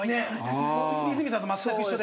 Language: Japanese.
和泉さんと全く一緒で。